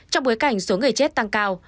trong bối cảnh số người chết tăng cao